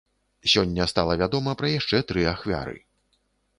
Сёння стала вядома пра яшчэ тры ахвяры.